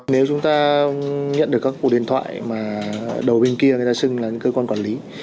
nếu chúng ta nhận được các cuộc điện thoại mà đầu bên kia người ta xưng là những cơ quan quản lý